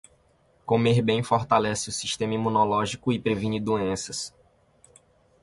Comer bem fortalece o sistema imunológico e previne doenças.